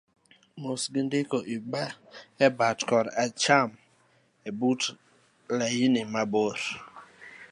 mosgi indiko e bat koracham ebut lain mabor